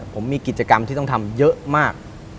ผมมีกิจกรรมที่ต้องทำเยอะมาก